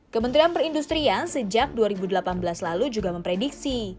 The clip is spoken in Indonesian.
kementerian perindustrian sejak dua ribu delapan belas lalu juga memprediksi